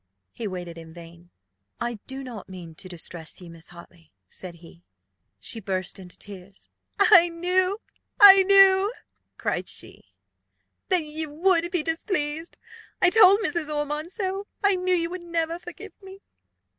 He waited in vain. "I do not mean to distress you, Miss Hartley," said he. She burst into tears. "I knew, I knew," cried she, "that you would be displeased; I told Mrs. Ormond so. I knew you would never forgive me."